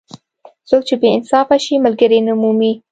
څوک چې بې انصافه شي؛ ملګری نه مومي.